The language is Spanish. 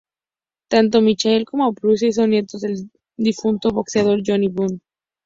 Tanto Michael como Bruce son nietos del difunto boxeador Johnny Buff.